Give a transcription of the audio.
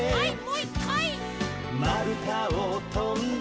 「まるたをとんで」